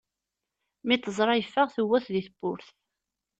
Mi t-teẓra yeffeɣ, tewwet deg tewwurt.